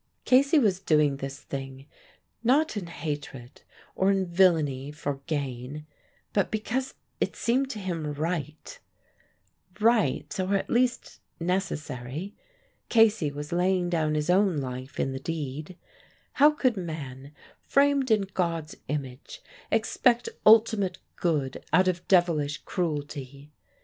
Casey was doing this thing not in hatred or in villainy for gain but because it seemed to him right right, or at least necessary. Casey was laying down his own life in the deed. How could man, framed in God's image, expect ultimate good out of devilish cruelty?